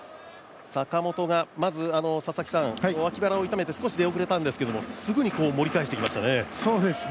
坂本が脇腹を痛めて少し出遅れたんですけど、すぐ盛り返してきましたね。